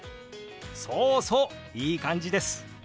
そうそういい感じです！